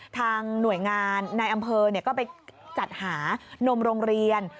ทางหน่วยงานในอำเภอก็ไปจัดหานมโรงเรียน